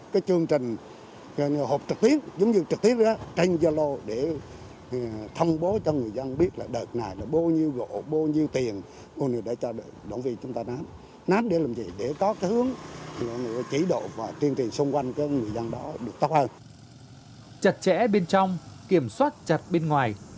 chặt chẽ bên trong kiểm soát chặt bên ngoài